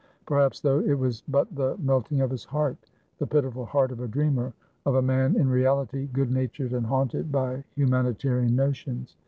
Perhaps, though, it was but the melt ing of his heart — the pitiful heart of a dreamer, of a man in reahty good natured and haunted by human itarian notions.